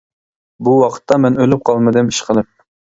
بۇ ۋاقىتتا مەن ئۆلۈپ قالمىدىم ئىشقىلىپ.